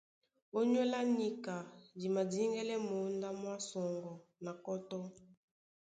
Ónyólá níka di madíŋgɛ́lɛ́ mǒndá mwá sɔŋgɔ na kɔ́tɔ́.